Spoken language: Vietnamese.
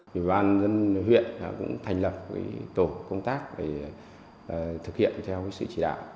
ủy ban dân huyện cũng thành lập tổ công tác để thực hiện theo sự chỉ đạo